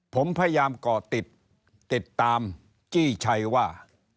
ผมพยายามเกาะติดติดตามจี้ชัยว่า